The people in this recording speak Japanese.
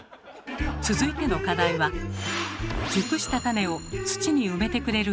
続いての課題はそこで。